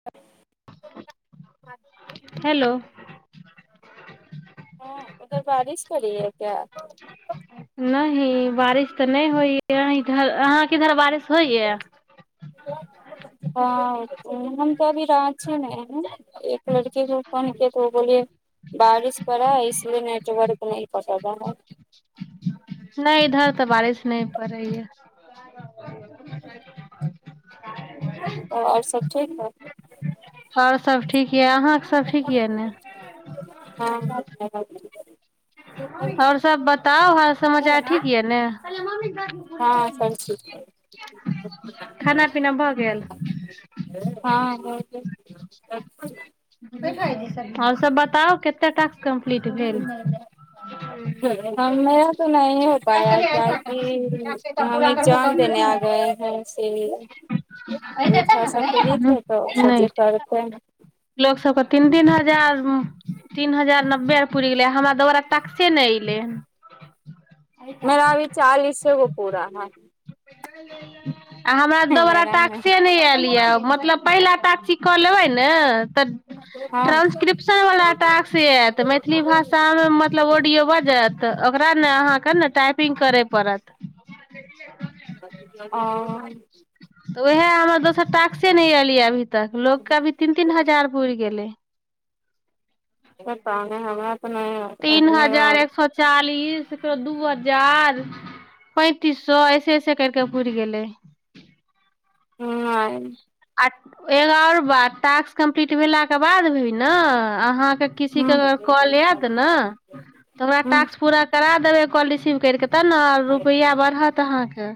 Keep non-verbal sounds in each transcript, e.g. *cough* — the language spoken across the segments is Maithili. *inaudible* हेलो हँ उधर बारिश पड़ी है क्या नहि बारिश तऽ नहि होइय इधर अहाँके इधर बारिश होइय *inaudible* एक लड़के को फोन किये तो बेले बारिश पड़ा इसलिए नेटवर्क न पकड़ रहा है न इधर तऽ बारिश न पड़ै य तब ओर सब ठीक न और सब ठीक यऽ अहाँके सब ठीक य ने *inaudible* और सब बताउ हल समाचार ठीक यऽ न हँ सब खाना ठीक पीना भऽ गेल *unintelligible* *inaudible* *inaudible* और सब बताउ कटेक टास्क कम्प्लीट भेल *inaudible* *unintelligible* हम एग्जाम देने आ गए हैं इसीलिए अभी थोड़ा सा फिरी थे तो नहि सोचे करते हैं लोक सबके तीन तीन हजार तीन हजार नब्बे आ पुर गेलै हमरा दबारा टैक्से न एले *unintelligible* मेरा अभी चालीसे गो पूरा है आ हमरा दोबारा मेरा नहि टाक्स न आयल यऽ मतलब पहिला टाक्स इ कऽ लेबै ने तऽ हँ ट्रान्सक्रिप्शन वाला टाक्स आइत मैथिली भाषामे मतलब ऑडियो बजत ओकरा न अहाँके न टाइपिंग करय पड़त *inaudible* तऽ ओहि सँ हमर दोसर टास्के नहि एलियै एखन तक, लोकके एखन तीन-तीन हजार पूरा भऽ गेलै। कता नहि ह तऽ नहि *unintelligible* तीन मेरा हजार एक सए चालीस फेरो दू हजार पैंतीस सए ऐसे ऐसे करिके पुरि गेलै। हूँ। आ एग आओर बात टास्क कम्प्लीट भेलाके बाद भी ने अहाँके किसी के कॉल आइत न हमरा टास्क पूरा करा देबे कॉल रिसीव कर के तब ने रुपैआ बढ़त अहाँके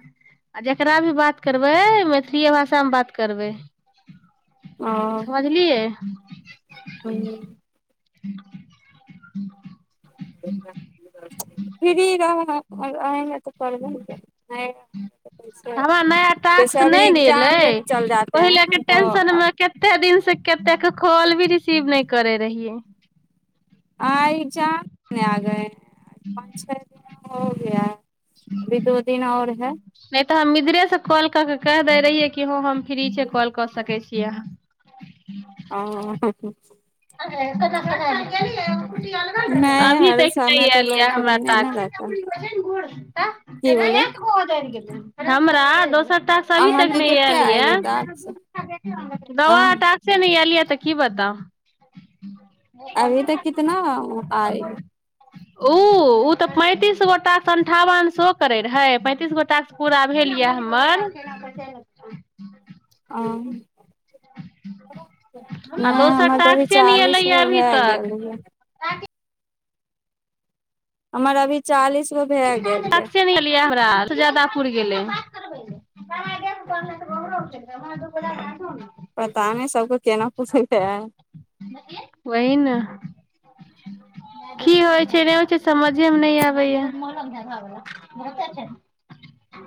आ जकरा भी बात करबै मैथिलिए भाषामे बात करबै। ओ समझलियै? हँ। फ्री रहऽ तऽ करबै ने। हमरा नया जैसे टास्क अभी नहि ने एग्जाम एलै देने चल जाे पहिले के हैं तो। टेंशन मे कते दिनसे कतेके कॉल भी रिसीव नहि करे रहियै। आए च नहि, आब पाँच-छ दिन भऽ गेल, एखन दू दिन आओर छै। नहि तऽ हम इधरेसँ कॉल कऽ दै रहियै कि हँ, हम फ्री छी, कॉल कऽ सकै छी अहाँ। हा *unintelligible* अ खु *unintelligible* नहि अभी हर तक नहि समय तऽ आयल लोग यऽ हमरा फ्री नहि ने टास्क। रहता की बोले *unintelligible* हमरा दोसर टास्क अभी तक अहाँके नहि कते आयल ह तऽ यऽ आ दवाटा। से नहि एलियिया तऽ कि बताउ? अभी तक कितना आईएल? ओ, ओ, तऽ पैंतीस गोटा अन्ठावन सए कऽ रहै, पैंतीस गोटा। पूरा भेल यऽ हमर। कसा लगत *unintelligible* आ। नहि आ दोसर हमर तऽ अभी टास्के नहि एले या चालीसगो अभी भए गेल तक रहय। हमर अभी चालीसगो टास्क न एलियै हमरा। सभसँ जादा पुअर गेलै। पता नहि सभके केना पुछैके है। वही न की होइ छै, नहि होइ छै, समझेमे नहि आबैय। मलम-धागा वाला बहुते छै ने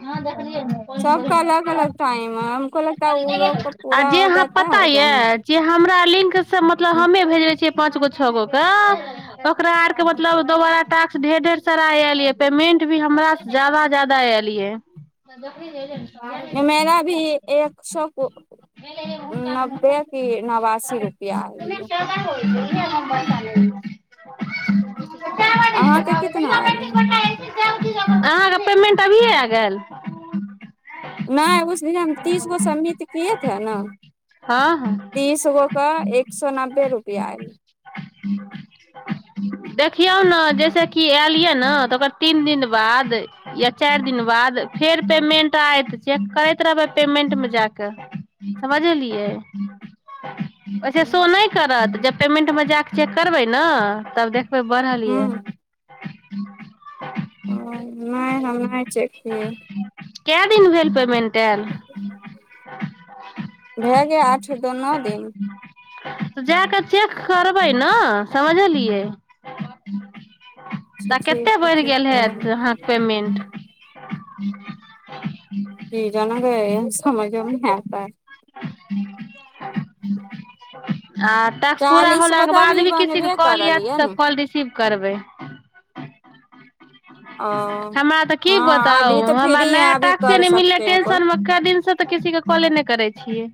हँ, देखलियै ने। सभका अलग अलग टाइम है हमको लगता ह उलोग आ पूरा जे हो अहाँ जाता पता होगा ये न। जे हमरा लिंकसे मतलब हमे भेजले छियै। पाँचगो छः गोके ओकरा आरके मतलब दोबारा टास्क ढेर ढेर सरा आल पेमेंट भी हमर जादा जादा एयलियै। मेरा भी एक सो कुछ नब्बे की नवासी रुपआ। हो नर *unintelligible* अहाँके कितना आइले अहाँके पेमेंट अभिए आ गेल। नहि उस तीस गो सम किए थे ने हँ हँ तीस गोके एक सए नब्बे रुपआ एल। देखियौ न जैसेक कि आयलियै ने। ओकर तीन दिन बाद। चारि दिन बाद फेर पेमेंट आयत चेक करैत रहबे पेमेंटमे जाक समझलियै‌ अच्छा सो की करत जब पेमेंटमे जााक चेक करबै ने तब देखबै बढ़लियै हूँ *unintelligible* ओ नहि हम नहि चेक किये के दिन भेल पेमेन्ट एल *unintelligible* *unintelligible* भए गेल आठ दो नओ दिन जा कऽ चेक करबै ने समझलियै *inaudible* तऽ कतेक ठीक है बढ़ि चेक गेल करब हेत अहाँके पेमेंट जी जनक समय जउ ने ह आ टास्क पूरा चालीस गो होलाके तऽ बाद अभी भी किसीके बनबे कॉल करल आयत ये त ने कॉल रिसीव करबै ओ हमरा तऽ की हाँ बताउ अभी तऽ फ्री हमरा नया है अभी टास्के कर नहि मिललै सकते हैं कोई टेंशन मे दिन से तऽ किसी के कॉले नहि करै छियै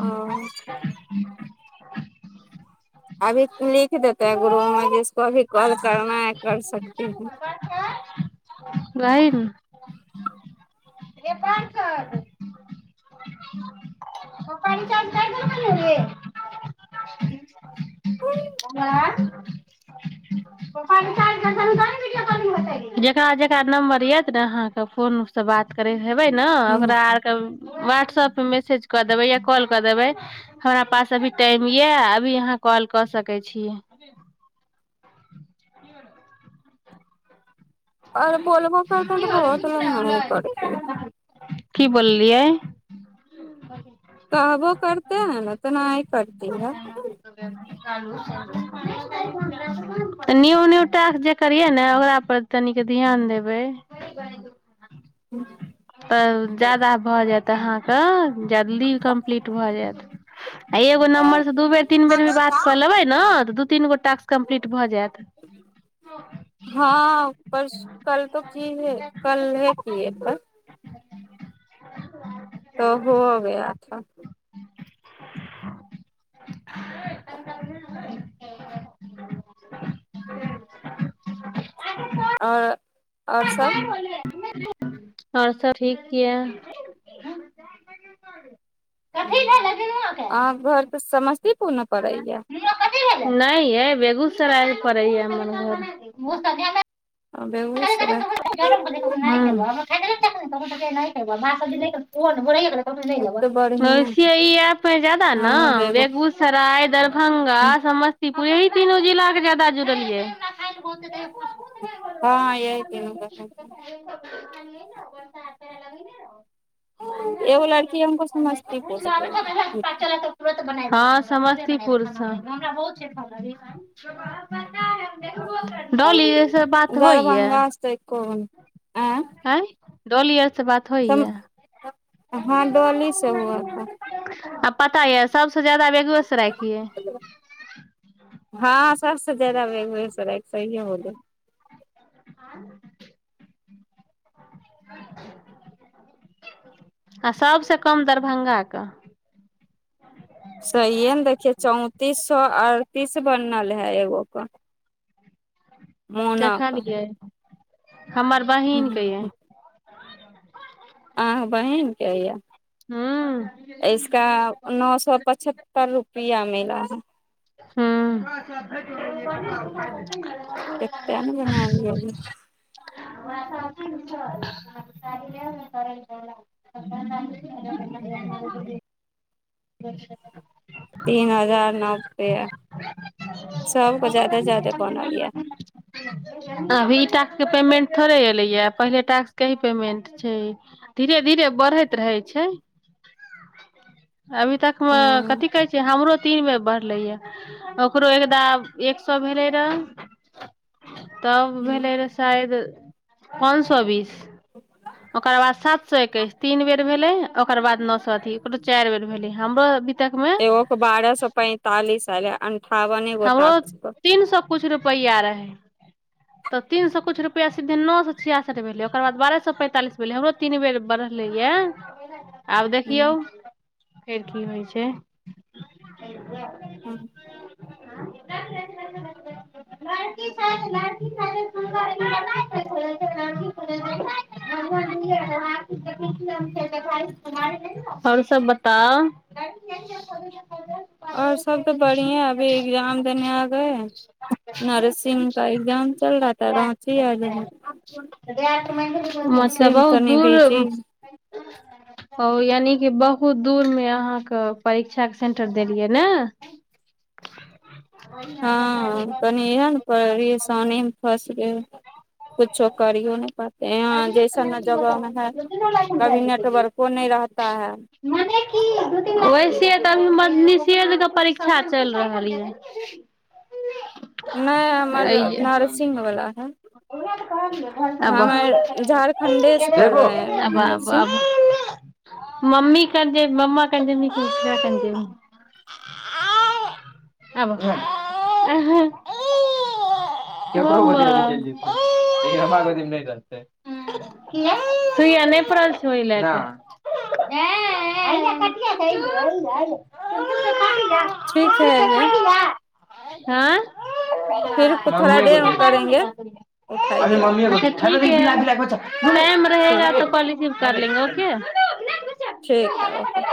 ओ अभी लिख देतै गुरु म जिसको अभी कॉल करना है कर सकती है गाइन नेपाल पर त प च ख हए *unintelligible* बौआ *inaudible* जेकरा जेकरा नम्बर येत ने अहाँके फोनसँ बात कर हेबै ने हूँ ओकरा आरके व्हाट्सऐप पर मैसेज कऽ देबै या कॉल कऽ देबै हमरा पास अभी टाइम यऽ अभी अहाँ कॉल कऽ सकैत छी *unintelligible* आओर बोलबो करतो न‌ तऽ भस ल न ह पड़ छै की बोललियै अी कहबो करते है ने तऽनाय करत है *inaudible* न्यू न्यू टास्क जे करियै ने ओकरा पर तनिक ध्यान देबै हूँ तऽ ज्यादा भऽ जात त अहा के जल्दी कम्पलिट भ जेयत एगो नंबर से दुबेर बात कऽ लेबै ने त दू तीन गो टास्क कम्पलिट भऽ जायत हँ परसु कल त की है कल है की ए पर *unintelligible* त होअ गया था *inaudible* *inaudible* आओर आओर सब आओर सब ठीक य अहाँ घरके समस्त नहि यै बेगूसराय पड़ैए हमर घर बेगुएसराय *unintelligible* ई तब तऽ बढ़िया है, एप मे जादा ने हमहूँ बेगू बेगूस सराय दरभङ्गा समस्तीपुर एहि तीनू जिलाके जादा जुड़लए कत *unintelligible* हँ यही तीनू *unintelligible* ान ने वष हा एगो ल लड़की हमको भ समस्तीपुर से नहि ने *unintelligible* अध प *unintelligible* हँ समस्तीपुरसँ डाॅलिय से बात स गर्भग होइया असै एको आए आ डोलिय से बात होइया हाँ डोली से हुआ था पता यऽ सबसँ जायदा बेगुएससँ के यै हँ सबस जाददा बेगुसराय एक सहीए बोलै हँ *unintelligible* आ सबस कम दरभंगा के सहिए ने देखिये चौंतीस सए अड़तीस बनल है एगो क *inaudible* मोना क देखलियै हमर बहिनके यै अह बहिनक कहैय हूँ इसका नओ सौ पचह त रुपैया मिला हूँ कतेक ने बनाब हमी ल करै ल *unintelligible* *unintelligible* तीन हजार नबबआ सबको ज्यादे ज्यादे बनल या अभी ई टैक्स के पेमेंट थोड़े एले ह पहिले टैक्स के ही पेमेंट छै धीरे धीरे बढ़ैत रहे छै अभी तक मे कथी कहै छै से हमरो तीन बे बढ़लैए ओकरो एकदा एक सए भेलै रहऽ तब भेलै रहऽ शायद पाँच सए बीस ओकर बाद सात सए एकैस तीन बेर भेलै ओकर बाद नओ सो अथी ककरो चारि बेर भेले हमरो अभी तक मे एगो बारह सौ पैंतालिस आयले अनठावने गो टास्क पर कछ रुपैआ रहै *unintelligible* तऽ तीन सए किछु रुपैआ सीधी नओ सए छिसठि भेलै ओकर बाद बारह सए पैंतालिस भेलै हमरो तीन बेर बढ़लैए आब देखियौ फेर की होइ छै हँ *inaudible* लक सा लक सा *unintelligible* प नाम कुमार *unintelligible* आओर सब बताउ आओर सभ तऽ बढ़िएँ अभी एग्जाम देने आबै हइ नरसिंह का एग्जाम चल रहा त रहहुची आ ज *inaudible* मतलब ब दूर बिजी ओ यानि कि बहुत दूरमे अहाँके परीक्षाके सेंटर देलियै ने हँ तनी इहे ने परेशानी फस गेल कुछो करियो ने पड़तै यहाँ जैसन जगहमे है कभी नेटवर्को नहि रहता है वैसे तऽ अभी मदनीशजक परीक्षा चलि रहल यै नहि हमर अइये नरसिंग वला है आब हमे झारखण्डे से कर रहे आब हैं आब नर्सिंग आब मम्मी कन मम्मा कन ख क *unintelligible* आ *unintelligible* लेकिन हमरा गोरी मे नहि रहतै *unintelligible* तु अनेपास होइ ल रह *unintelligible* *unintelligible* ठीक है आइा हँ *unintelligible* फिर *unintelligible* थोड़ा देर में करेंगे उठाइएगा ठीक कर लेंगे ओके *inaudible* ठी है ओ